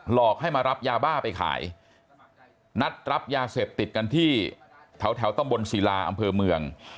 อกให้มารับยาบ้าไปขายนัดรับยาเสพติดกันที่แถวตำบลศิลาอำเภอเมือง